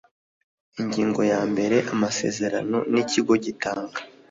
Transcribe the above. ingingo yambere amasezerano n ikigo gitanga